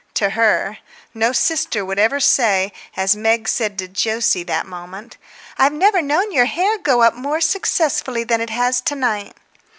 to her; no sister would ever say, as Meg said to Jose that moment, "I've never known your hair go up more successfully than it has to night!"